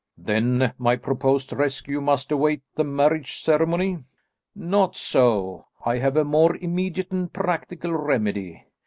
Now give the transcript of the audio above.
"Then my proposed rescue must await the marriage ceremony?" "Not so. I have a more immediate and practical remedy.